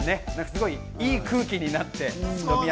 すごい良い空気になって。